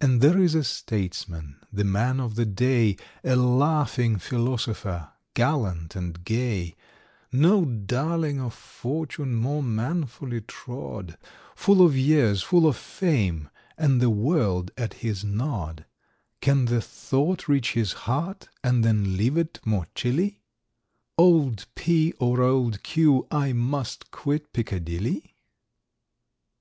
And there is a Statesman, the Man of the Day, A laughing philosopher, gallant and gay; No darling of Fortune more manfully trod, Full of years, full of fame, and the world at his nod, Can the thought reach his heart, and then leave it more chilly,— "Old P or Old Q I must quit Piccadilly?"